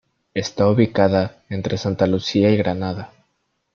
Está ubicada entre Santa Lucía y Granada.